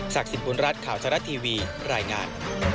ศักดิ์สินคุณรัฐข่าวชะละทีวีรายงาน